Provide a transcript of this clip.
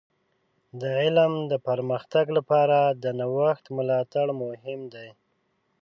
د علم د پرمختګ لپاره د نوښت ملاتړ مهم دی.